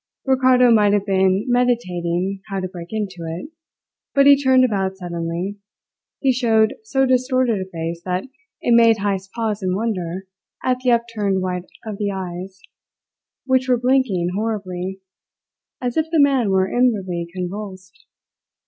Ricardo might have been meditating how to break into it; but when he turned about suddenly, he showed so distorted a face that it made Heyst pause in wonder at the upturned whites of the eyes, which were blinking horribly, as if the man were inwardly convulsed.